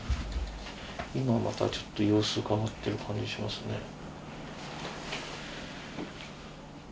今またちょっと様子うかがってる感じしますね。